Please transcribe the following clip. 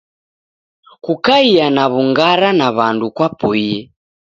Kukaia na w'ung'ara na wandu kwapoie.